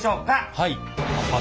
はい！